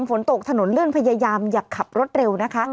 ฝนตกถนนลื่นพยายามอย่าขับรถเร็วนะคะ